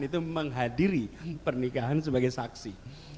itu menghadiri pernikahan sebagai saksi